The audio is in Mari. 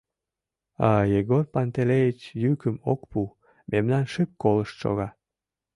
А Егор Пантелеич йӱкым ок пу: мемнам шып колышт шога.